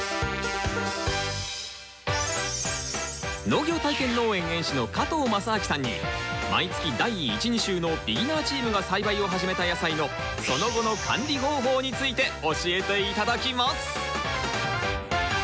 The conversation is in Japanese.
農業体験農園園主の加藤正明さんに毎月第１・２週のビギナーチームが栽培を始めた野菜のその後の管理方法について教えて頂きます！